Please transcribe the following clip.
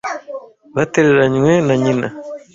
Batereranywe na nyina.